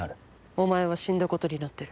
お前は死んだことになってる。